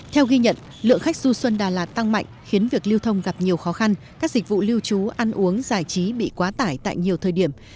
theo ghi nhận lượng khách du xuân đà lạt tăng mạnh khiến việc lưu thông gặp nhiều khó khăn các dịch vụ lưu trú ăn uống giải trí bị quá tải tại nhiều thời điểm